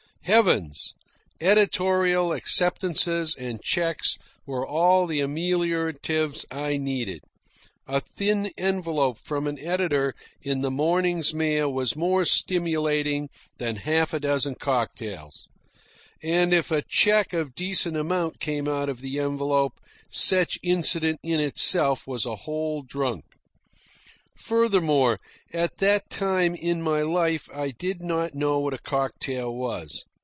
Heavens! Editorial acceptances and cheques were all the amelioratives I needed. A thin envelope from an editor in the morning's mail was more stimulating than half a dozen cocktails. And if a cheque of decent amount came out of the envelope, such incident in itself was a whole drunk. Furthermore, at that time in my life I did not know what a cocktail was.